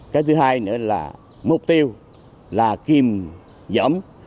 cái thứ hai nữa là mục tiêu là kiềm dẫm